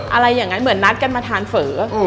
อะไรอย่างนั้นเหมือนนัดกันมาทานเฝอ